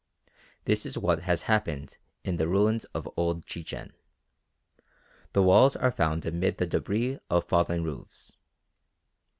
This is what has happened in the ruins of old Chichen. The walls are found amid the débris of fallen roofs.